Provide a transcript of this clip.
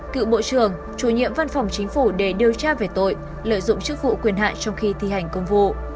cựu bộ trưởng chủ nhiệm văn phòng chính phủ để điều tra về tội lợi dụng chức vụ quyền hạn trong khi thi hành công vụ